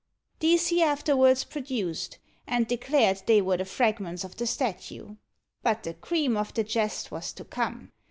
These he afterwards produced, and declared they were the fragments of the statue. But the cream of the jest was to come.